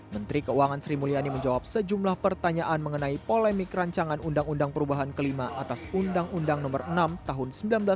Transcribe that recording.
menteri keuangan sri mulyani menjawab sejumlah pertanyaan mengenai polemik rancangan undang undang perubahan kelima atas undang undang nomor enam tahun seribu sembilan ratus sembilan puluh